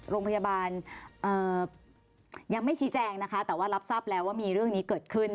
โรงพยาบาลยังไม่ชี้แจงนะคะแต่ว่ารับทราบแล้วว่ามีเรื่องนี้เกิดขึ้น